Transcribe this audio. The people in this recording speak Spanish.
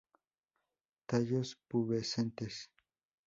Tallos pubescentes.